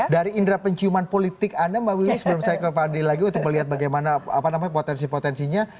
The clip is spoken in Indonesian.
dari indera penciuman politik anda mbak wilis sebelum saya kepadri lagi untuk melihat bagaimana potensi potensinya